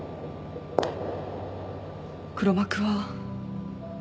黒幕は。